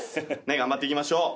頑張っていきましょう。